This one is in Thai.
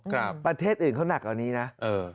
ประเทศอื่นเขาหนักกว่านี้นะเออ